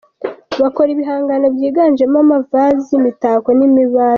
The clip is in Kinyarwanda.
Bakora ibihangano byiganjemo amavasi, imitako n’imbabura.